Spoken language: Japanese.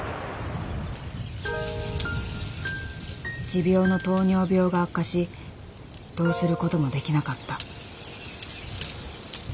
持病の糖尿病が悪化しどうする事もできなかった。